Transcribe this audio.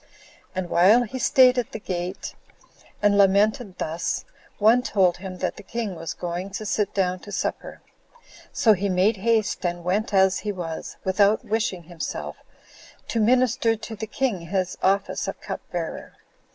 And while he staid at the gate, and lamented thus, one told him that the king was going to sit down to supper; so he made haste, and went as he was, without wishing himself, to minister to the king in his office of cup bearer.